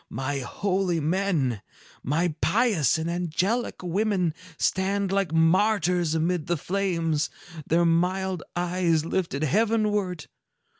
My holy men, my pious and angelic women, stand like martyrs amid the flames, their mild eyes lifted heavenward.